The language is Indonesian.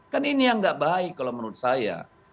kan ini yang gak baik kalau menurut saya